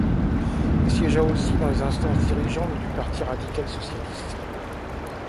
Il siégea aussi dans les instances dirigeantes du parti radical-socialiste.